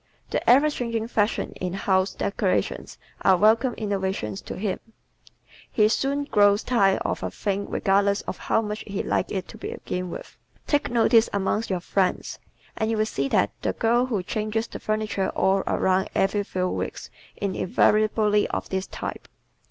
The ever changing fashions in house decorations are welcome innovations to him. He soon grows tired of a thing regardless of how much he liked it to begin with. Take notice amongst your friends and you will see that the girl who changes the furniture all around every few weeks is invariably of this type.